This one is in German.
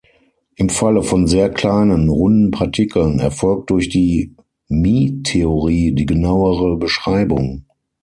Im Falle von sehr kleinen, runden Partikeln, erfolgt durch die Mie-Theorie die genauere Beschreibung.